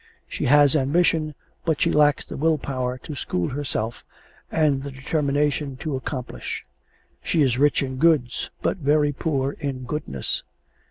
She has ambition, but she lacks the will power to school herself and the determination to accomplish. She is rich in goods but very poor in goodness.